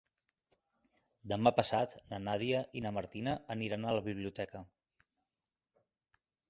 Demà passat na Nàdia i na Martina aniran a la biblioteca.